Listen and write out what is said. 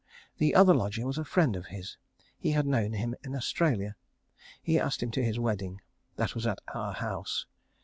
The other lodger was a friend of his. He had known him in Australia. He asked him to his wedding. That was at our house.